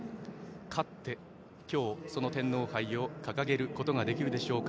勝って、天皇杯を掲げることができるでしょうか。